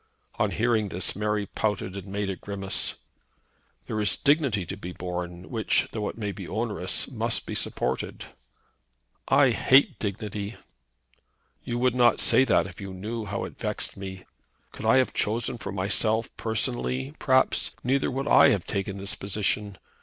On hearing this Mary pouted and made a grimace. "There is a dignity to be borne which, though it may be onerous, must be supported." "I hate dignity." "You would not say that if you knew how it vexed me. Could I have chosen for myself personally, perhaps, neither would I have taken this position.